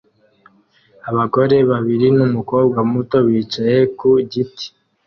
Abagore babiri n'umukobwa muto bicaye ku giti